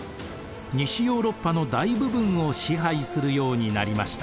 西ヨーロッパの大部分を支配するようになりました。